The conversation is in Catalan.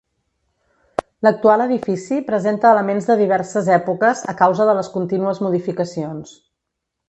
L'actual edifici presenta elements de diverses èpoques a causa de les contínues modificacions.